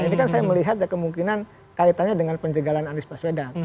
ini kan saya melihat ya kemungkinan kaitannya dengan penjagaan anis paswedan